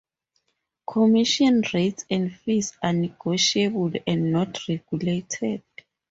Commission rates and fees are negotiable and not regulated.